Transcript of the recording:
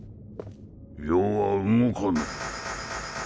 余は動かぬ。